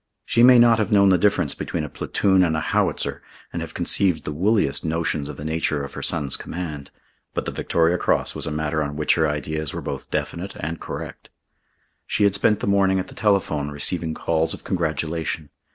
She may not have known the difference between a platoon and a howitzer, and have conceived the woolliest notions of the nature of her son's command, but the Victoria Cross was a matter on which her ideas were both definite and correct. She had spent the morning at the telephone receiving calls of congratulation.